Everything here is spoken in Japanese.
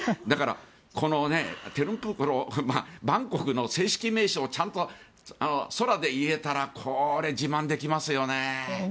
だから、バンコクの正式名称ちゃんと、空で言えたらこれ、自慢できますよね。